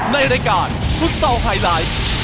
ในรายการฟุตซอลไฮไลท์